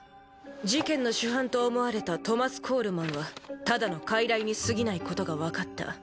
事件の主犯と思われたトマス・コールマンはただの傀儡にすぎないことが分かった。